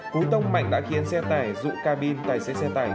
cúi tông mạnh đã khiến xe tải dụ ca bin tài xế xe tải